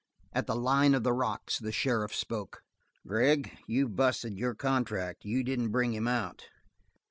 At the line of the rocks the sheriff spoke. "Gregg, you've busted your contract. You didn't bring him out."